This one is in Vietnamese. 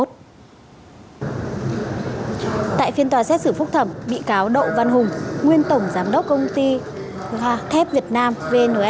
tại phiên tòa xét xử phúc thẩm bị cáo độ văn hùng nguyên tổng giám đốc công ty thép việt nam vnf